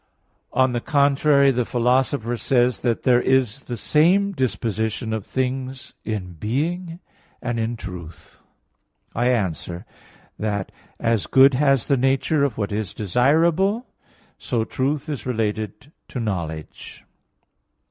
On the contrary, the Philosopher says (Metaph. ii) that there is the same disposition of things in being and in truth. I answer that, As good has the nature of what is desirable, so truth is related to knowledge.